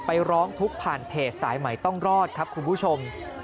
ร้องทุกข์ผ่านเพจสายใหม่ต้องรอดครับคุณผู้ชม